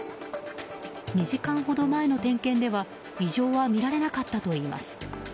２時間ほど前の点検では異常は見られなかったといいます。